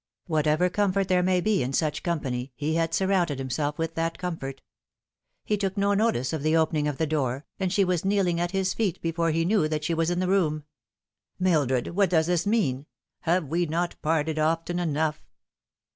Whatever comfort there may be in such company, he had surrounded himself with that comfort. He took no notice of the opening of the door, and she was kneeling at his feet before he knew that she WM in the room. '' Mildred, what does this mean ? Have we not parted often enough